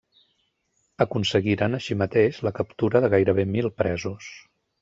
Aconseguiren, així mateix, la captura de gairebé mil presos.